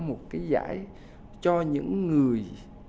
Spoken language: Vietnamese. một cái giải cho những người